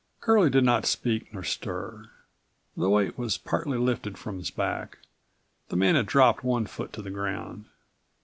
Curlie did not speak nor stir. The weight was partly lifted from his back. The man had dropped one foot to the ground.